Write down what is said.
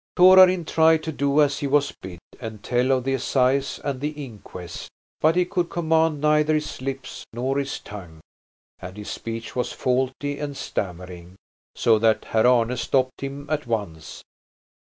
Torarin tried to do as he was bid and tell of the assize and the inquest, but he could command neither his lips nor his tongue, and his speech was faulty and stammering, so that Herr Arne stopped him at once.